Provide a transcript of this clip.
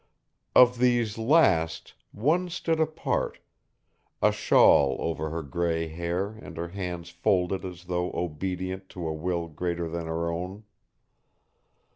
Of these last one stood apart, a shawl over her gray hair and her hands folded as though obedient to a will greater than her own.